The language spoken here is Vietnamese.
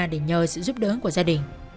để nhờ sự giúp đỡ của gia đình